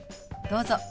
どうぞ。